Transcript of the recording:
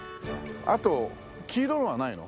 あと黄色のはないの？